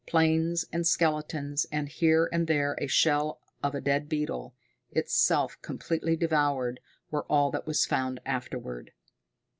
Planes and skeletons, and here and there a shell of a dead beetle, itself completely devoured, were all that was found afterward.